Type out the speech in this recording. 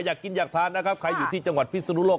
อยากกินอยากทานนะครับใครอยู่ที่จังหวัดพิศนุโลก